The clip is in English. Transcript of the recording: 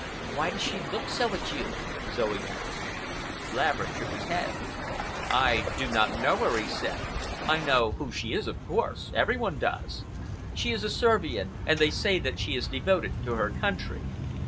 "Why does she look so at you?" Zoe asked. Laverick shook his head. "I do not know her," he said. "I know who she is, of course,—every one does. She is a Servian, and they say that she is devoted to her country.